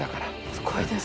すごいですね。